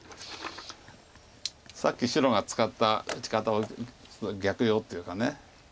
さっき白が使った打ち方を逆用というか。